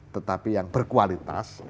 tetapi yang berkualitas